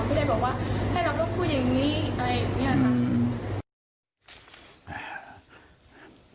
ไม่ได้บอกว่าให้เราต้องพูดอย่างนี้อะไรอย่างนี้ค่ะ